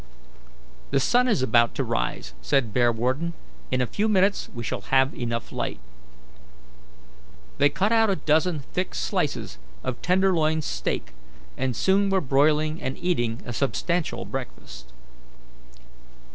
"The sun is about to rise," said Bearwarden; "in a few minutes we shall have enough light." They cut out a dozen thick slices of tenderloin steak, and soon were broiling and eating a substantial breakfast.